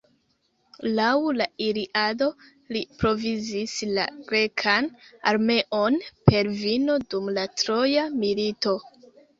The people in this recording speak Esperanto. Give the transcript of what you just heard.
Laŭ la Iliado, li provizis la grekan armeon per vino dum la troja milito.